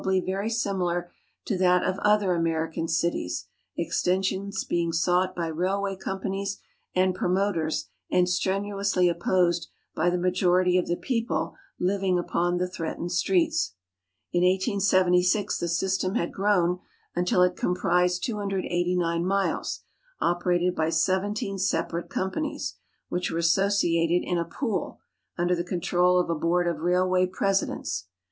ly vt ry similar to that of other American cities, extensions hein^ sou^rht l»y mil way companies and promoters and strenuously opposed hy the majorilv of the people livin.u upon the threatened streets. In 1S7<) the system hail grown until it comprised L'S<) miles, operated hy 17 sei)arate cumpanii s, which were associated in a pool, under the control of a hoard of railwav presidents.